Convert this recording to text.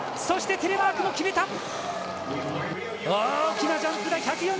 そしてテレマークも決めた。